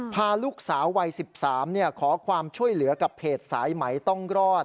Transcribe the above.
พาลูกสาววัย๑๓ขอความช่วยเหลือกับเพจสายไหมต้องรอด